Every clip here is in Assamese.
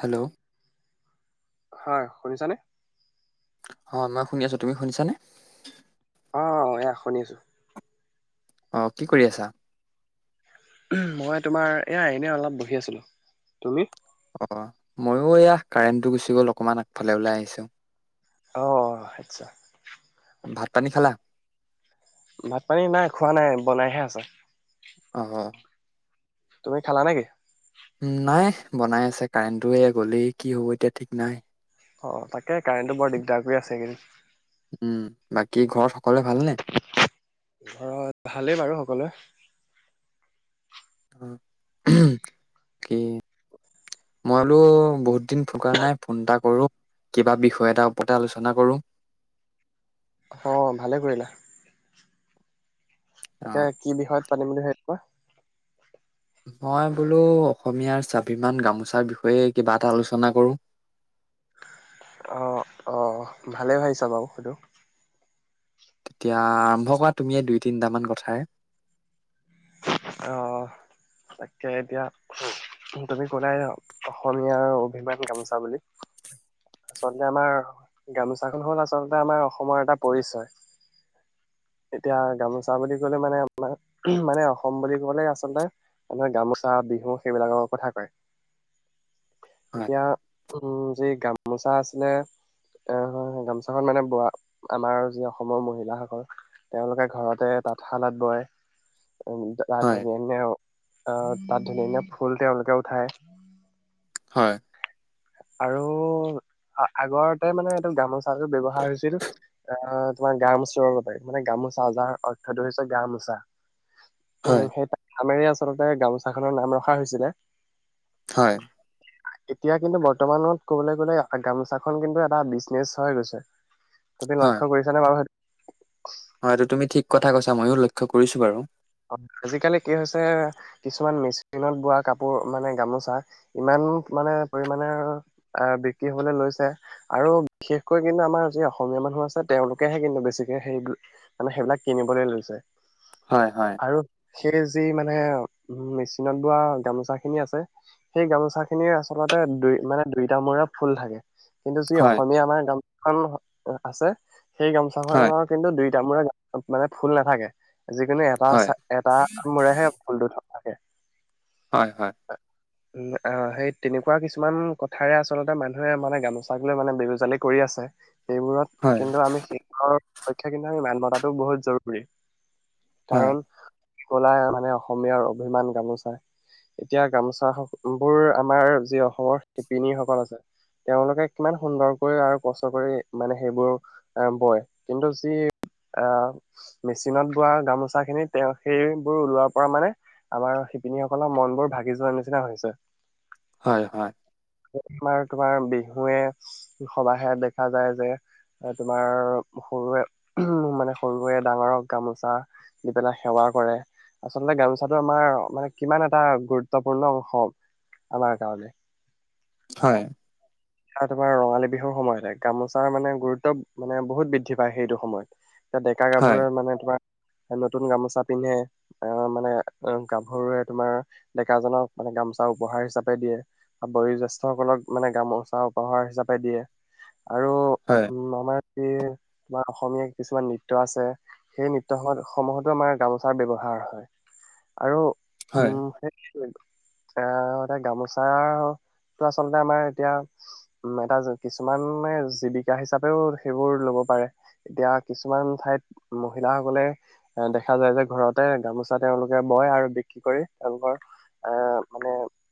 হেল্ল' হ'য়, শুনিছানে? অ, মই শুনি আছো। তুমি শুনিছানে? অ, এয়া শুনিছোঁ। অ, কি কৰি আছা? মই তোমাৰ এয়া এনে অলপ বহি আছিলো। তুমি? অ, মইয়ো এয়া কাৰেণ্টটো গুচি গ'ল, অকমান আগফালে ওলাই আহিছো। অ, আটছা। ভাত পানী খালা ভাত পানী নাই খোৱা নাই, বনাইহে আছে। অ তুমি খালা নে কি? উম নাই বনাই আছে। কাৰেণ্টটো এই গলেই কি হ'ব এতিয়া ঠিক নাই। অ তাকে কাৰেণ্টটো বৰ দিগদাৰ কৰি আছে এইকেদিন। কি ঘৰ ঘৰত ভালেই বাৰু সকলোৱে। অ [unintelligible] [inaudible] মইলো বহুত দিন ফোন কৰা নাই, ফোন এটা কৰো। কিবা বিষয় এটাৰ ওপৰতে আলোচনা কৰো। অ, ভালেই কৰিলা। অ তাকে কি বিষয়ত পাতিম বুলি ভাবিছা? মই বোলো অসমীয়াৰ স্বাভিমান গামোচাৰ বিষয়ে কিবা এটা আলোচনা কৰো। অহ, অহ। ভালেই ভাবিছা বাৰু সেইটো। তেতিয়া আৰম্ভ কৰা তুমিয়ে দুই, তিনটামান কথাৰে। অ তাকে এতিয়া তুমি ক'লাই অসমীয়াৰ অভিমান গামোচা বুলি। আচলতে আমাৰ গামোচাখন হল, আচলতে আমাৰ অসমৰ এটা পৰিচয়। এতিয়া গামোচা বুলি কলে মানে আমাৰ মানে অসম বুলি ক'বলে আচলতে, মানুহে গামোচা বিহু সেইবিলাকৰ কথা কয়। হয় এতিয়া উম যি গামোচা আছিলে আহ হয় গামোচাখন মানে ব আমাৰ যি অসমৰ মহিলাসকল তেওঁলোকে ঘৰতে তাঁতশালত বয়। তাত হয় ধুনীয়া-ধুনীয়া আহ তাত ধুনীয়া-ধুনীয়া ফুল তেওঁলোকে উঠায়। হয়। আৰু আগৰতে মানে এইটো গামোচাটো ব্যৱহাৰ হৈছিল অ তোমাৰ গা মুচিবৰ বাবে। মানে গামোচা চ যাৰ অৰ্থটো হৈছে গা মোচা। উ হয়, সেই নামেৰে আচলতে গামোচাখনৰ নাম ৰখা হৈছিলে। হয়। এতিয়া কিন্তু বৰ্তমানত ক'বলৈ গলে গামোচাখন কিন্তু এটা বিজনেচ হৈ গৈছে। তুমি লক্ষ্য কৰিছা বাৰু সেইটো। হয়টো তুমি ঠিক কথা কৈছা। ময়ো লক্ষ্য কৰিছো বাৰু। অ' আজিকালি কি হৈছে কিছুমান মেচিনত বোৱা কাপোৰ মানে গামোচা ইমান, মানে পৰিমণে বিক্ৰী হবলৈ লৈছে। আৰু বিশেষকৈ কিন্তু আমাৰ অসম [unintelligible] অসমীয়া মানুহ আছে। তেওঁলোকেহে কিন্তু বেছিকে সেই মানে সেইবিলাক কিনিবলৈ লৈছে। হয় হয়। আৰু সেই যি মানে মেচিনত বোৱা গামোচা খিনি আছে। সেই গামোচা খিনিৰ আচলতে দুই মানে দুইটা মূৰে ফুল থাকে। কিন্তু যি হয়, অসমীয়া আমাৰ গামোচাখন আছে, সেই হয়, গামোচাখনৰ কিন্তু দুই, এতি মূৰে গ মানে ফুল নাথাকে। যিকোনো এটা হয়, এটা মূৰেহে ফুলটো থ- তাকে, হয় হয়। উ অ' সেই তেনেকুৱা কিছুমান কথাৰে আচলতে মানুহে মানে গামোচাক লৈ মানে বেজালি কৰি আছে। আছে সেইবোৰত হয়, কিন্তু আমি সেইবোৰ ৰক্ষা ক্ষেত্ৰত আমি মাত মতাটো বহুত জৰুৰী। হয়, কাৰণ কলাই মানে অসমীয়াৰ অভিমান গামোচা। এতিয়া গামোচা বোৰ আমাৰ যি অসমৰ শিপিনী সকল আছে। তেওঁলোকে কিমান সুন্দৰকৈ আৰু কষ্ট কৰি মানে সেইবোৰ অহ বয় কিন্তু যি অহ মেচিনত বোৱা গামোচা খিনি তেওঁ সেইবোৰ ওলোৱাৰ পৰা মানে আমাৰ শিপিনীসকলৰ মন বোৰ ভাগি যোৱাৰ নিচিনা হৈছে। হয় হয়। তোমাৰ বিহুৱে সবাহে দেখা যায় যে। তোমাৰ সৰুৱে মানে সৰুৱে ডাঙৰক গামোচা দি পেলাই সেৱা কৰে। আচলতে গামোচাটো আমাৰ মানে কিমান এটা গুৰুত্বপূৰ্ণ অংশ। আমাৰ কাৰণে হয়। তোমাৰ ৰঙালী বিহুৰ সময়তে গামোচাৰ মানে গুৰুত্ব মানে বহুত বৃদ্ধি পায় সেইটো সময়ত। ডেকা হয়, -গাভৰুৱে মানে তোমাৰ নতুন গামোচা পিন্ধে অহ মানে গাভৰুৱে তোমাৰ ডেকাজনক মানে গামোচা উপহাৰ হিচাপে দিয়ে। বয়োজ্যেষ্ঠসকলক মানে গামোচা উপহাৰ হিচাপে দিয়ে। আৰু হয়। উম আমাৰ তোমাৰ অসমীয়া কিছুমান নৃত্য আছে। সেই নৃত্য সমূহতো আমাৰ গামোচাৰ ব্যৱহাৰ হয় আৰু হয়, উম সেই গামোচাৰ আচলতে আমাৰ এতিয়া উ এটা কিছুমানে জীৱিকা হিচাপেও সেইবোৰ ল'ব পাৰে। এতিয়া কিছুমান ঠাইত মহিলাসকলে দেখা যায় যে ঘৰতে গামোচা তেওঁলোকে বয় আৰু বিক্ৰী কৰি তেওঁলোকৰ এ মানে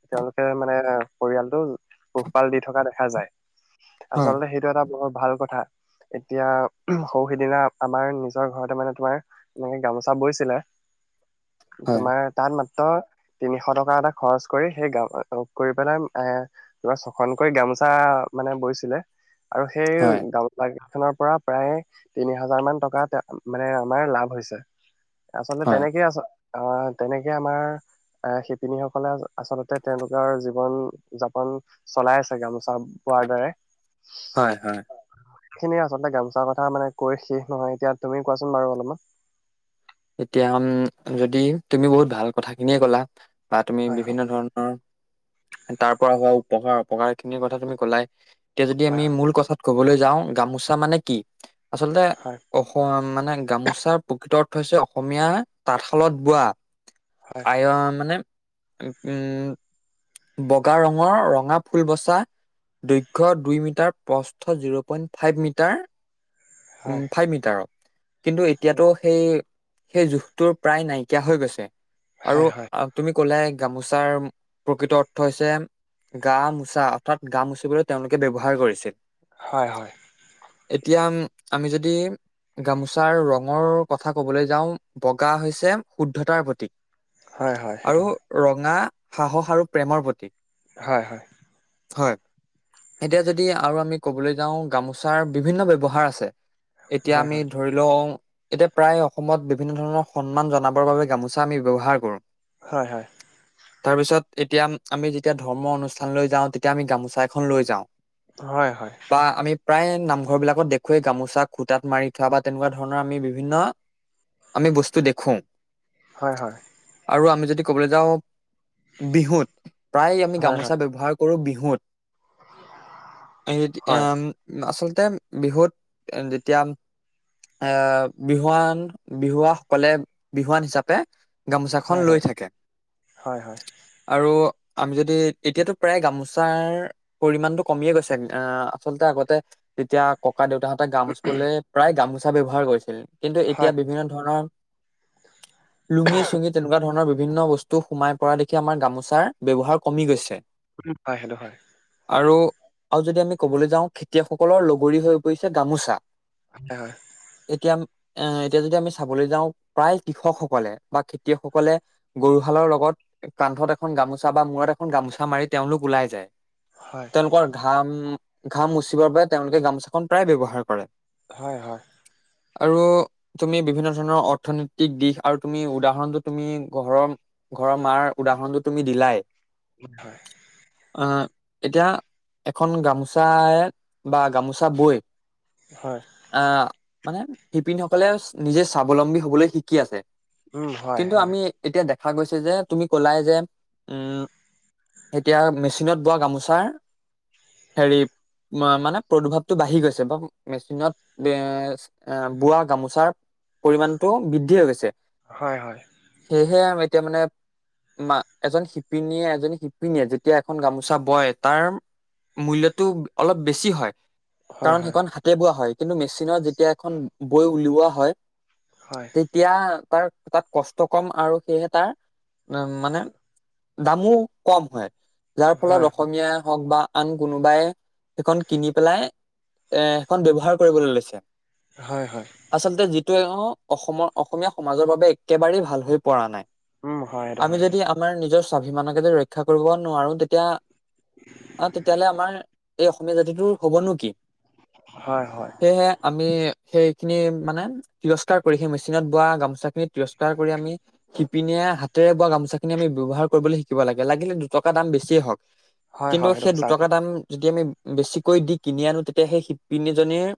তেওঁলোকে মানে পৰিয়ালটো পোহপাল দি থকা দেখা যায়। হয়, হয়, আচলতে সেইটো এটা বৰ ভাল কথা এতিয়া সৰু সিদিনা আমাৰ নিজৰ ঘৰতে মানে তোমাৰ এনেকে গামোচা বৈছিলে। তোমাৰ তাত মাত্ৰ তিনিশ টকা এটা খৰচ কৰি সেই গ কৰি পেলাই ছখন কৰি গামোচা মানে বৈছিলে আৰু সেই হয়, গামোচা খনৰ পৰা প্ৰায় তিনি হাজাৰ মান টকাত মানে আমাৰ লাভ হৈছ। আচলতে তেনেকে আছ অ' তেনেকে আমাৰ আহ শিপিনীসকলে আচলতে তেওঁলোকৰ জীৱন- যাপন চলাই আছে। গামোচা বোৱাৰ দৰে। হয় হয়। সেখিনিয়ে আচলতে গামোচা কথা মানে কৈ শেষ নহয়। এতিয়া তুমি কোৱাচোন বাৰু অলপমান এতিয়া উম যদি তুমি বহুত ভাল কথা খিনিয়ে ক'লা বা তুমি হয় বিভিন্ন ধৰণৰ তাৰ পৰা হোৱা উপহাৰ অপকহাৰ খিনিৰ কথা তুমি কলাই এতিয়া যদি আমি হয় মূল কথাত ক'বলৈ যাওঁ গামোচা মানে কি, আচলতে হয় অসম মানে গামোচা প্ৰকৃত হৈছে অসমীয়া তাঁতশালত বোৱা হয় [unintelligible] মানে উম, বগা ৰঙৰ ৰঙা ফুল বচা দৈৰ্ঘ্য দুই মিটাৰ প্ৰস্থ জিৰ' পইণ্ট ফাইভ মিটাৰ হয় উম হয় ফাইভ মিটাৰত কিন্তু এতিয়াতো সেই সেই জোখটোৰ প্ৰায় নাইকিয়া হৈ গৈছে। আৰু হয় হয় হয় তুমি ক'লাই গামোচাৰ প্ৰকৃত অৰ্থ হৈছে গা -মোচা অৰ্থাৎ গা মুচিবলৈ তেওঁলোকে ব্যৱহাৰ কৰিছিল। হয় হয় এতিয়া আমি যদি গামোচাৰ ৰঙৰ কথা কবলৈ যাওঁ বগা হৈছে শুদ্ধতাৰ প্ৰতীক। হয় হয় সেইটো আৰু হয় ৰঙা সাহস আৰু প্ৰেমৰ প্ৰতীক। হয়। হয় এতিয়া যদি আৰু আমি ক'বলৈ যাওঁ গামোচাৰ বিভিন্ন ব্যৱহাৰ আছে। এতিয়া হয় আমি হয় ধৰি লওঁ এতিয়া প্ৰায় অসমত বিভিন্ন ধৰণৰ সন্মান জনাবৰ বাবে গামোচা আমি ব্যৱহাৰ কৰোঁ। হয়-হয়। তাৰ পিছত এতিয়া আমি যেতিয়া ধৰ্ম অনুষ্ঠানলৈৈ যাওঁ তেতিয়া আমি গামোচা এখন লৈ যাওঁ। হয়-হয়। বা আমি প্ৰায় নামঘৰবিলাকত দেখোৱেই গামোচা খুটাত মাৰি থোৱা বা তেনেকুৱা ধৰণৰ আমি বিভিন্ন আমি বস্তু দেখোঁ হয়-হয় আৰু আমি যদি ক'বলৈ যাওঁ বিহুত প্ৰায় আমি হয় হয় গামোচা ব্যৱহাৰ কৰো বিহুত [unintelligible] হয় আচল [unintelligible] বিহুত যেতিয়া আমি এ বিহুৱান বিহুৱাসকলে বিহুৱান হিচাপে [unintelligible] হয় গামোচাখন হয় লৈ থাকে, হয় আৰু আমি যদি এতিয়াতো প্ৰায় গামোচাৰ পৰিমানটো কমিয়ে গৈছে আহ আচলতে আগতে তেতিয়া [unintelligible] ক ককা দেউতাহঁতে গা মুচিবলে প্ৰায় গামোচা ব্যৱহাৰ কৰিছিল কিন্তু এতিয়া বিভিন্ন ধৰণৰ লুঙি-চুঙি তেনেকুৱা ধৰণৰ বিভিন্ন বস্তু সোমাই [unintelligible] পৰা দেখি আমাৰ গামোচাৰ ব্যৱহাৰ কমি গৈছে। উম হয় সেইটো হয় [unintelligible] আৰু-আৰু যদি আমি ক'বলৈ যাওঁ খেতিয়কসকলৰ লগৰী হৈ পৰিছে গামোচা। এতিয়া এৱ এতিয়া যদি আমি চাবলৈ যাওঁ প্ৰায় কৃষকসকলে বা খেতিয়কসকলে গৰু হালৰ লগত কান্ধত এখন গামোচা বা মূৰত এখন গামোচা মাৰি তেওঁলোক ওলাই যায়। তেওঁলোকৰ ঘাম-ঘাম মুচিবৰ বাবে তেওঁলোকে গামোচাখন প্ৰায় ব্যৱহাৰ কৰে। হয়-হয় আৰু তুমি বিভিন্ন ধৰণৰ অৰ্থনৈতিক দিশ আৰু তুমি উদাহৰণটো তুমি ঘৰৰ ঘৰৰ মাৰ উদাহৰণটো তুমি দিলাই [unintelligible] [unintelligible] এতিয়া এখন গামোচা বা গামোচা বৈ হয় আহ মানে শিপিনীসকলে নিজে স্বাৱলম্বী হবলৈ শিকি আছে হয় সেইটো কিন্তু হয় আমি এতিয়া দে দেখা গৈছে যে তুমি কলাই যে, উম এতিয়া মেচিনত বোৱা গামোচাৰ হেৰি মানে প্ৰদূৰ্ভাৱটো বাঢ়ি গৈছে বা মেচিনত এ বোৱা গামোচাৰ পৰিমাণটো বৃদ্ধি হৈ গৈছে। হয়-হয় সেয়াই এতিয়া মানে মা এজন শিপিনীয়ে এজনী শিপিনীয়ে যেতিয়া এখন গামোচা বয় তাৰ মূল্যটো অলপ বেছি হয় কাৰণ সেইখন হাতে বোৱা হয় কিন্তু মেচিনত যেতিয়া এখন বৈ উলিওৱা হয় হয় তেতিয়া তাৰ তাত কষ্ট কম আৰু সেয়েহে তাৰ ম মানে দামো কম হয় যাৰ হয় ফলত অসমীয়াই হওক বা আন কোনোবাই সেইখন কিনি পেলাই এ সেইখন ব্যৱহাৰ কৰিবলৈ লৈছে। হয়-হয় টোৱে অ অসমৰ অসমীয়া সমাজৰ বাবে একেবাৰেই ভাল হৈ পৰা নাই। উম হয় আমি হয় যদি আমাৰ নিজৰ স্বাভিমানকে যদি ৰক্ষা কৰিব নোৱাৰো তেতিয়া অ তেতিয়াহ'লে আমাৰ এই অসমীয়া জাতিটোৰ হবনো কি? হয় সেয়েহে আমি সেইখিনি মানে তিৰস্কাৰ কৰি সেই মেচিনত বোৱা গামোচা খিনি তিৰস্কাৰ কৰি আমি শিপিনীয়ে হাত ৰে বোৱা গোমোখিনি আম ব্যৱহাৰ কৰিবলৈ শিকিব লাগে লাগিলে দুটকা দাম বেছিয়ে হওক। হয় হয় কিন্তু হয় হয় হয় হয় হয় হয় উম হয় সেইটো হয় হয় হয় হয় হয় সেইটো সেই সঁচা কথা দুটকা দাম যদি আমি বেছিকৈ দি কিনি আনো তেতিয়া সেই শিপিনীজনীৰ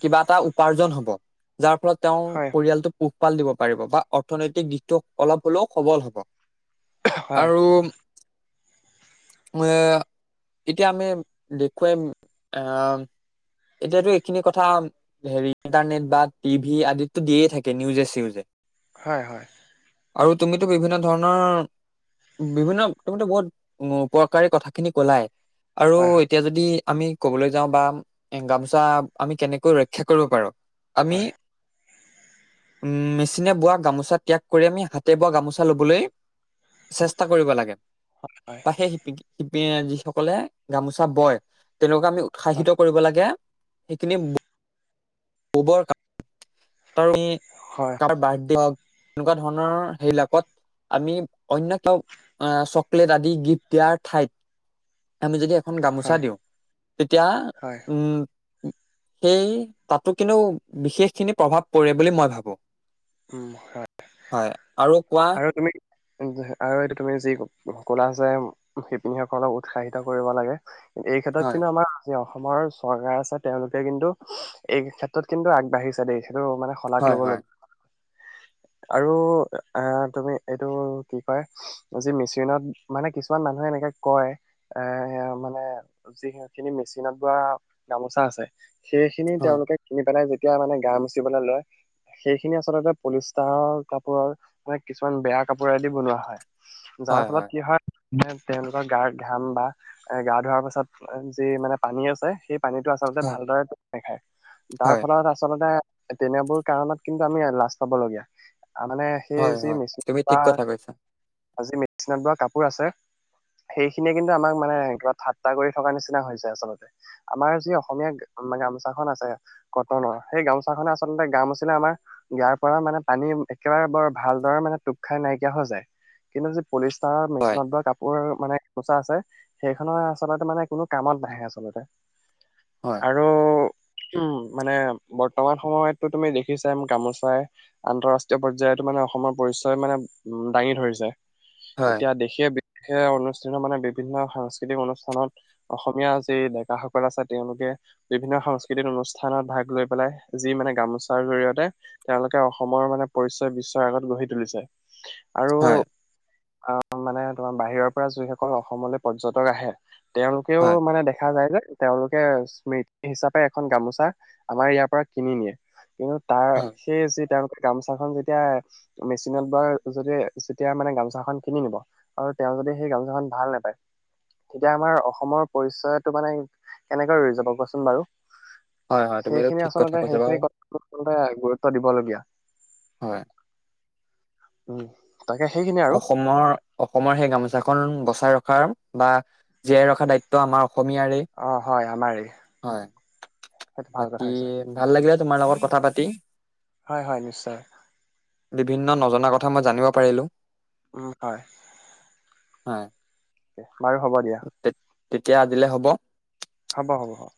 কিবা এটা উপাৰ্জন হব যাৰ ফলত তেওঁৰ হয় পৰিয়ালটোক পোহপাল দিব পাৰিব বা অৰ্থনৈতিক দিশটো অলপ সুলভ সবল হ'ব, হয় হয় আৰু। [unintelligible] উম! এতিয়া আমি দেখুৱাইম আহ এতিয়াতো এইখিনি কথা হেৰি ইণ্টাৰনেট বা টিভি আদিতো দিয়ে থাকে নিউজে-চিউজে হয়, হয়। আৰু তুমিতো বিভিন্ন ধৰণৰ বিভিন্ন তুমিতো বহুত উপকাৰী কথাখিনি কলাই আৰু হয় এতিয়া যদি আমি কবলৈ যাওঁ বা গামোচা আমি কেনেকৈ ৰক্ষা কৰিব পাৰোঁ আমি হয় হয় হয় হয় উম মেচিনে বোৱা গামোচা ত্যাগ কৰি আমি হাতে বোৱা গামোচা লবলৈ চেষ্টা কৰিব লাগে, বা সেই শ যিসকলে গামোচা বয় তেওঁলোকে আমি উৎসাহিত কৰিব লাগে। সেইখিনি ববৰ কা ৰণে কাৰোবাৰ বাৰ্থডে হওক এনেকোৱা ধৰণৰ সেইবিলাকত আমি অন্য ক অ চকলেট আদি গিফ্ট দিয়াৰ ঠাইত আমি যদি এখন হয় গামোচা দিওঁ তেতিয়া হয় উম! সেই তাতো কিন্তু বিশেষ খিনি প্ৰভাৱ পৰে বুলি মই ভাবোঁ। উম হয় হয়, আৰু। কোৱা আৰু তুমি আৰু এইটো তুমি যি কলা যে শিপিনীসকলক উৎসাহিত কৰিব লাগে। এই ক্ষেত্ৰত হয় কিন্তু আমাৰ অস অসমৰ চৰকাৰ আছে তেওঁলোকে কিন্তু এই ক্ষেত্ৰত কিন্তু আগবাঢ়িছে দেই। সেইটো মানে শলাগ হয় হয় ল'বলগীয়া আৰু অহ তুমি এইটো কি কয় যি মেচিনত মানে কিছুমান মানুহে এনেকে কয় এ মানে যি খিনি মেচিনত বোৱা গামোচা আছে সেইখিনি হয় তেওঁলোকে কিনি পেলাই যে তিয়া মানে গা মচিবলৈ লয় সেইখিনি আচলতে পলিষ্টাৰৰ কাপোৰৰ মে কিছুমান বেয়া কাপোৰেদি বনোৱা হয়, যাৰ ফলত কি হয় তেওঁলোকৰ গাৰ ঘাম বা এ গা ধোৱাৰ পাছত যি মানে পানী আছে সেই পানীটো আচলতে হয় ভালদৰে তোক নাখায় তাৰ হয় ফলত আচলতে তেনেবোৰ কাৰণত কিন্তু আমি লাষ্ট পাবলগীয়া হয় মানে সেই হয় যি হয় মেচিন তুমি বা ঠিক কথা কৈছা যি মেচিনত বা কাপোৰ আছে সেইখিনিয়ে কিন্তু আমাক মানে কিবা ঠাট্টা কৰি থকা নিচিনা হৈছে আচলতে আমাৰ যি অসমীয়া গামোচা খন আছে কটনৰ সেই গামোচা খনে আচলতে গা মোচিলে আমাৰ গাৰ পৰা মানে পানী একেবাৰে বৰ ভালদৰে মানে টোপ খাই নাইকিয়া হৈ যায়, কিন্তু যি পলিষ্টাৰৰ হয় মেচিনত বা কাপোৰ মানে পোচা আছে সেইখনৰ আচলতে মানে কোনো কামত নাহে আচলতে। হয় আৰু উম মানে বৰ্তমান সময়তো তুমি দেখিছা গামোচাই আন্তঃৰাষ্ট্ৰীয় পৰ্যায়তো মানে অসমৰ পৰিচয় মানে উ দাঙি ধৰিছে হয় এতিয়া দেশে সেই অনুষ্ঠানত মানে বিভিন্ন সাংস্কৃতিক অনুষ্ঠানত অসমীয়া যি ডেকা সকল আছে তেওঁলোকে বিভিন্ন সাংস্কৃতিক অনুষ্ঠানত ভাগ লৈ পেলাই যি মানে গামোচাৰ জৰিয়তে তেওঁলোকে অসম ৰ মানে পৰিচয় বিশ্বৰ আগত গঢ়ি তুলিছে। হয়। আহ মানে তোমাৰ বাহিৰৰ পৰা যিসকল অসমলৈ পৰ্যটক আহে। তেওঁলোকেও হয় মানে দেখা যায় যে। তেওঁলোকে স্মৃতি হিচাপে, এখন গামোচা আমাৰ ইয়াৰ পৰা কিনি নিয়ে কিন্তু। তাৰ সেই যি তেওঁলোকে গামোচাখনন যেতিয়া। মেচিনত বা যদি যেতিয়া মানে গামোচা খন কিনি নিব, আৰু তেওঁ যদি সেই গামোচা খন ভাল নাপায়। তেতিয়া আমাৰ অসমৰ পৰিচয়টো মানে, কেনেকে ৰৈ যাব কোৱাচোন বাৰু। হয় হয় তুমি এইটো সেইখিনি ঠিক কথা আচলতে, কৈছা সেইখিনি বাৰু কথা আচলতে গুৰুত্ব দিবলগীয়া। হয়। অ। অসমৰ অসমৰ সেই গামোচাখন বচাই ৰখাৰ। বা, জীয়াই ৰখা দায়িত্ব আমাৰ। অসমীয়াৰে, অ হয় আমাৰেই হয় সেইটো ভাল কথা বাকী হৈছে ভাল লাগিলে। তোমাৰ লগত কথা পাতি। হয় হয় নিশ্চয়। বিভিন্ন নজনা কথা মই জানিব পাৰিলো। উম হয়। হয়। বাৰু হ'ব দিয়া। তে- তেতিয়া আজিলে হ'ব। হ'ব হ'ব হ'ব।